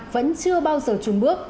vẫn chưa bao giờ trùng bước